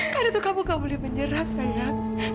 karena itu kamu gak boleh menyerah sayang